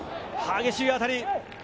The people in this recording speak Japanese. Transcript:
激しい当たり。